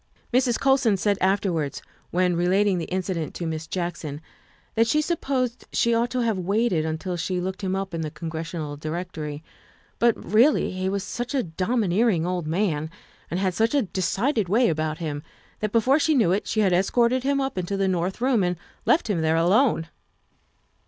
288 THE WIFE OF Mrs. Colson said afterwards, when relating the inci dent to Miss Jackson, that she supposed she ought to have waited until she looked him up in the Congres sional Directory, but really he was such a domineering old man and had such a decided way about him that before she knew it she had escorted him up into the north room and left him there alone.